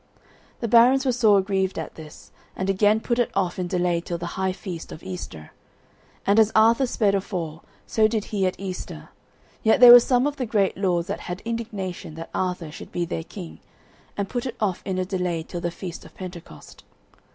The barons were sore aggrieved at this, and again put it off in delay till the high feast of Easter. And as Arthur sped afore, so did he at Easter; yet there were some of the great lords that had indignation that Arthur should be their king, and put it off in a delay till the feast of Pentecost.